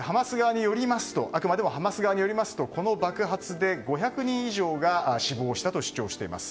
あくまでもハマス側によりますとこの爆発で５００人以上が死亡したと主張しています。